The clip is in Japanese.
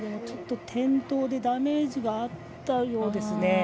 ちょっと転倒でダメージがあったようですね。